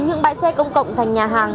những bãi xe công cộng thành nhà hàng